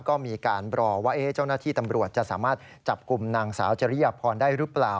ก็มีการรอว่าเจ้าหน้าที่ตำรวจจะสามารถจับกลุ่มนางสาวจริยพรได้หรือเปล่า